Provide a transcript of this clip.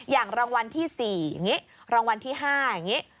รางวัลที่๔อย่างนี้รางวัลที่๕อย่างนี้